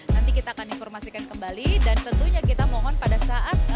nanti kita akan informasikan kembali dan tentunya kita mohon pada saat